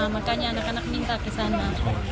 makanya anak anak minta ke sana